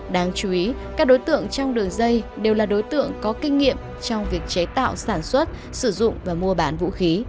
đáng chú ý các đối tượng trong đường dây đều là đối tượng có kinh nghiệm trong việc chế tạo sản xuất sử dụng và mua bán vũ khí